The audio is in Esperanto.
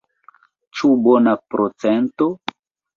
Ĉu bona procento?